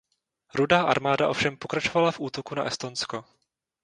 Rudá armáda ovšem pokračovala v útoku na Estonsko.